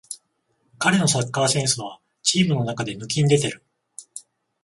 彼のサッカーセンスはチームの中で抜きんでてる